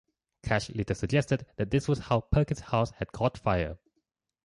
Cash later suggested that this was how Perkins's house had caught fire.